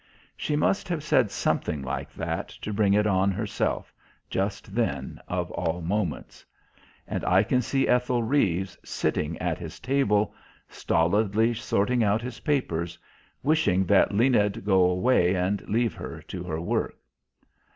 She must have said something like that, to bring it on herself, just then, of all moments. And I can see Ethel Reeves, sitting at his table, stolidly sorting out his papers, wishing that Lena'd go away and leave her to her work.